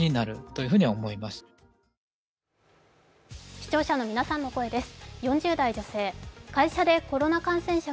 視聴者の皆さんの声です。